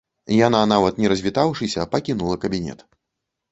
Яна, нават не развітаўшыся, пакінула кабінет.